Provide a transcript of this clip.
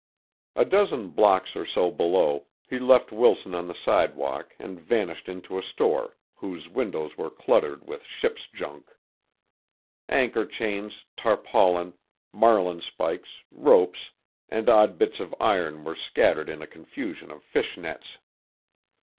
A dozen blocks or so below, he left Wilson on the sidewalk and vanished into a store whose windows were cluttered with ship's junk. Anchor chains, tarpaulin, marlinspikes, ropes, and odd bits of iron were scattered in a confusion of fish nets.